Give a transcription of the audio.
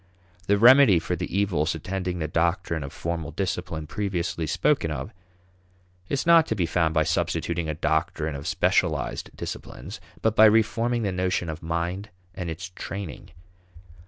The remedy for the evils attending the doctrine of formal discipline previously spoken of, is not to be found by substituting a doctrine of specialized disciplines, but by reforming the notion of mind and its training.